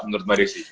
menurut mbak rizie